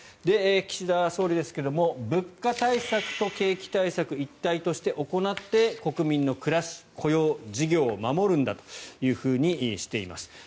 岸田総理ですが物価対策と景気対策を一体として行って国民の暮らし雇用、事業を守るんだとしています。